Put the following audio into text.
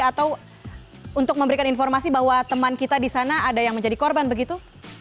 atau untuk memberikan informasi bahwa teman kita di sana ada yang menjadi korban begitu